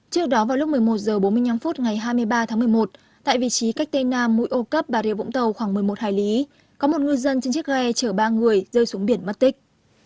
trước đó vào lúc một mươi một h bốn mươi năm ngày hai mươi ba tháng một mươi một tại vị trí cách tây nam mũi ô cấp bà rịa vũng tàu khoảng một mươi một hải lý có một ngư dân trên chiếc ghe chở ba người rơi xuống biển mất tích